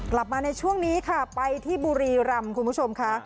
กลับมาในช่วงนี้ค่ะไปที่บุรีรำคุณผู้ชมค่ะ